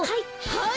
はい！